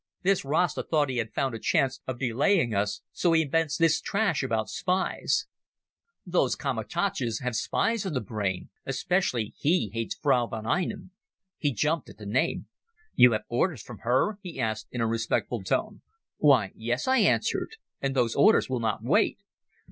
This Rasta thought he had found a chance of delaying us, so he invents this trash about spies. Those Comitadjis have spies on the brain ... Especially he hates Frau von Einem." He jumped at the name. "You have orders from her?" he asked, in a respectful tone. "Why, yes," I answered, "and those orders will not wait."